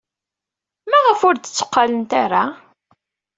Maɣef ur d-tteqqalent ara?